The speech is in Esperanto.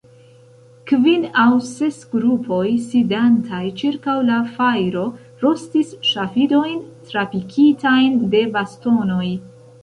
Kvin aŭ ses grupoj, sidantaj ĉirkaŭ la fajro, rostis ŝafidojn trapikitajn de bastonoj.